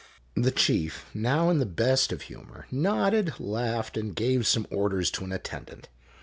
The chief, now in the best of humor, nodded, laughed, and gave some orders to an attendant.